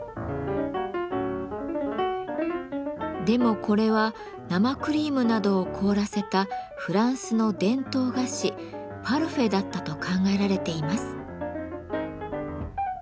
でもこれは生クリームなどを凍らせたフランスの伝統菓子「パルフェ」だったと考えられています。